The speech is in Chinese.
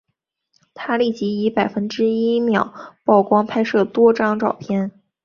他立即以百分之一秒曝光拍摄多张照片。